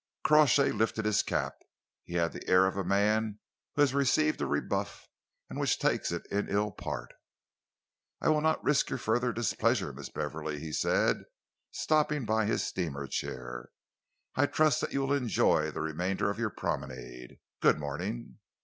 Crawshay lifted his cap. He had the air of a man who has received a rebuff which he takes in ill part. "I will not risk your further displeasure, Miss Beverley," he said, stopping by his steamer chair. "I trust that you will enjoy the remainder of your promenade. Good morning!"